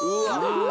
うわ。